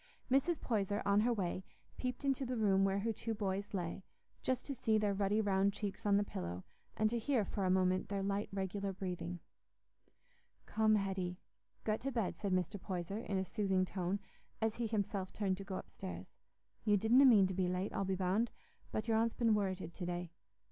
Mrs. Poyser, on her way, peeped into the room where her two boys lay; just to see their ruddy round cheeks on the pillow, and to hear for a moment their light regular breathing. "Come, Hetty, get to bed," said Mr. Poyser, in a soothing tone, as he himself turned to go upstairs. "You didna mean to be late, I'll be bound, but your aunt's been worrited to day.